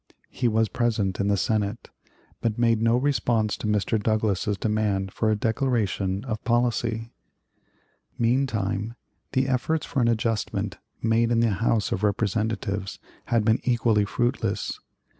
He was present in the Senate, but made no response to Mr. Douglas's demand for a declaration of policy. Meantime the efforts for an adjustment made in the House of Representatives had been equally fruitless.